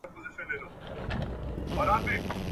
د توپان هیبت وحشت وو راوستلی `